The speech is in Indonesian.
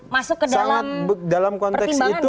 masuk ke dalam pertimbangan nggak